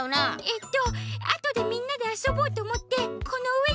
えっとあとでみんなであそぼうとおもってこのうえに。